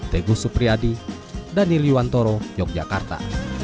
teguh supriyadi daniliwantoro yogyakarta